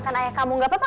oke makasih bye